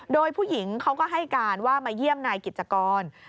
โดยผู้หญิงเขาก็ให้การว่ามาเยี่ยมนายกิจกร